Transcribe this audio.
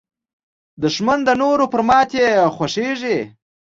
دښمن د نورو پر ماتې خوښېږي